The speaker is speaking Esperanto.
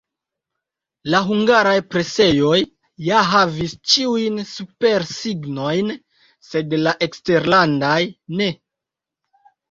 La hungaraj presejoj ja havis ĉiujn supersignojn, sed la eksterlandaj ne.